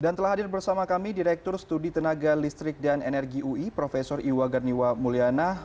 dan telah hadir bersama kami direktur studi tenaga listrik dan energi ui prof iwa garniwa mulyana